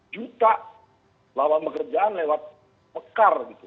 delapan lima juta lapangan pekerjaan lewat mekar